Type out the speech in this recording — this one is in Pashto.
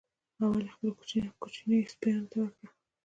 اول یې خپلو کوچنیو سپیانو ته ورکړه.